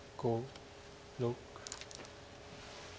６。